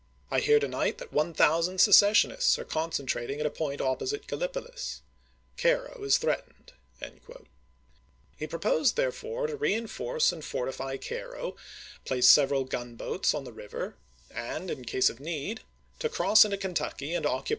I hear to night that one thousand seces sionists are concentrating at a point opposite Gallipohs. Cairo is threatened. He proposed, therefore, to reenforce and fortify Cairo, place several gun boats on the river, and in case of need to cross into Kentucky and occupy McClellan to Towns end, May 10, 1861.